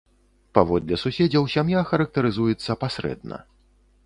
Паводле суседзяў, сям'я характарызуецца пасрэдна.